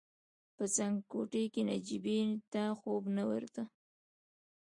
په څنګ کوټې کې نجيبې ته خوب نه ورته.